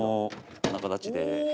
こんな形で。